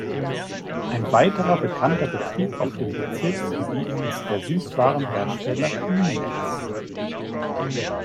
Ein weiterer bekannter Betrieb auf dem Bezirksgebiet ist der Süßwarenhersteller Niemetz.